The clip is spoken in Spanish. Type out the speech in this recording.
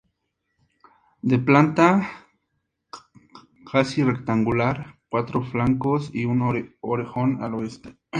De planta casi rectangular, cuatro flancos y un orejón al oeste.